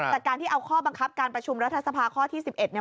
แต่การที่เอาข้อบังคับการประชุมรัฐสภาข้อที่๑๑